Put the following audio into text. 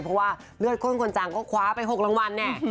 เพราะว่าเลือดข้นคนจังก็คว้าไป๖รางวัลเนี่ย